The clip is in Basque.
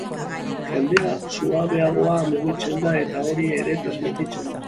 Jendea suabeago mugitzen da eta hori ere transmititzen da.